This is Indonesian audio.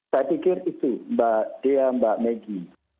saya pikir itu mbak dea mbak meggy